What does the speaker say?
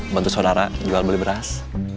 bantu saudara jual beli beras